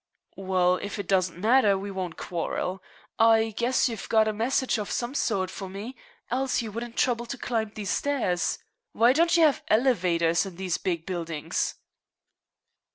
"Well, if it doesn't matter, we won't quarrel. I guess you've got a message of some sort for me, else you wouldn't trouble to climb these stairs. Why don't you have el e vators in these big buildings?"